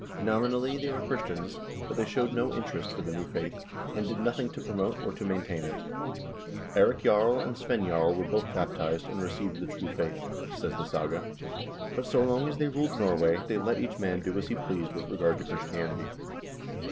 Nominally they were Christians, but they showed no interest for the new faith, and did nothing to promote or to maintain it. " Eirik Jarl and Svein Jarl were both baptized, and received the true faith," says the saga, "but so long as they ruled Norway, they let each man do as he pleased with regard to Christianity."